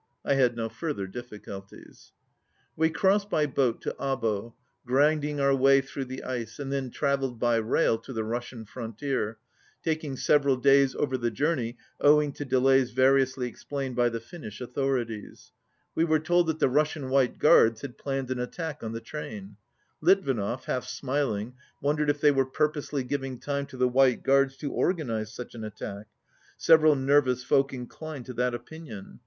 I had no further difficulties. We crossed by boat to Abo, grinding our way through the ice, and then travelled by rail to the Russian frontier, taking several days over the journey owing to delays variously explained by the Finnish authorities. We were told that the Russian White Guards had planned an attack on the train. Litvinov, half smiling, wondered if they were purposely giving time to the White Guards to organize such an attack. Several nerv ous folk inclined to that opinion.